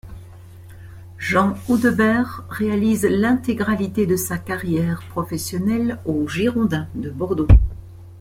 Jean Audebert réalise l'intégralité de sa carrière professionnelle aux Girondins de Bordeaux.